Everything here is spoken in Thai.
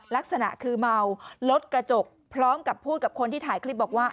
ลักษณะคือเมารถกระจกพร้อมกับพูดกับคนที่ถ่ายคลิปบอกว่า